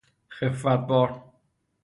خفت بار